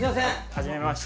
はじめまして。